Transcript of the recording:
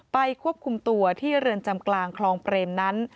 ควบคุมตัวที่เรือนจำกลางคลองเปรมนั้น